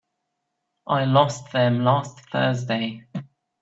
I lost them last Thursday.